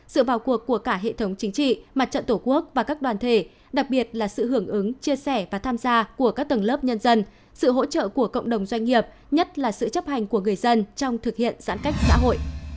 sự vào cuộc của cả hệ thống chính trị mặt trận tổ quốc và các đoàn thể đặc biệt là sự hưởng ứng chia sẻ và tham gia của các tầng lớp nhân dân sự hỗ trợ của cộng đồng doanh nghiệp nhất là sự chấp hành của người dân trong thực hiện giãn cách xã hội